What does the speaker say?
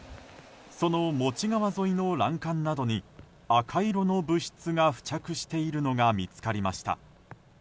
そのモチ川沿いの欄干などに赤色の物質が付着しているのが見つかりました。